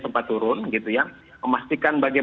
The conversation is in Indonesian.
sempat turun gitu ya memastikan bagian